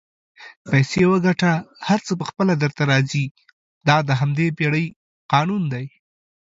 پیسې وګټه هر څه پخپله درته راځي دا د همدې پیړۍ قانون دئ